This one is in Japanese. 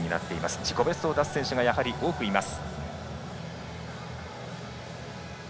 自己ベストを出す選手がやはり多くいます。